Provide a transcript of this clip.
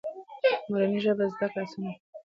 مورنۍ ژبه زده کړه آسانه کوي، که موجوده وي.